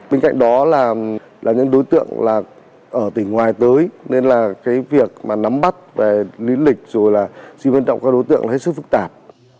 bên cạnh đó là những đối tượng ở tỉnh ngoài tới nên việc nắm bắt lý lịch xin quan trọng các đối tượng là hết sức phức tạp